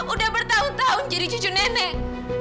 udah bertahun tahun jadi cucu nenek